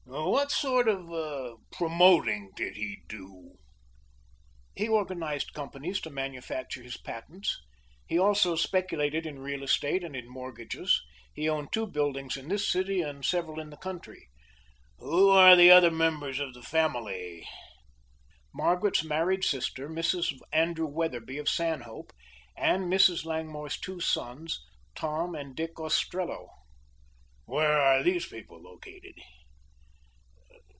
"What sort of promoting did he do?" "He organized companies to manufacture his patents. He also speculated in real estate and in mortgages. He owned two buildings in this city and several in the country." "Who are the other members of the family?" "Margaret's married sister, Mrs. Andrew Wetherby, of Sanhope, and Mrs. Langmore's two sons, Tom and Dick Ostrello." "Where are these people located?"